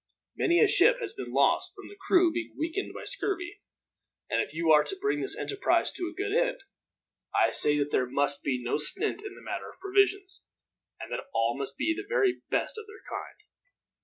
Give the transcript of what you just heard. Many a ship has been lost from the crew being weakened by scurvy, and if you are to bring this enterprise to a good end, I say that there must be no stint in the matter of provisions, and that all must be the very best of their kind.